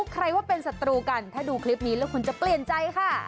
ใครว่าเป็นศัตรูกันถ้าดูคลิปนี้แล้วคุณจะเปลี่ยนใจค่ะ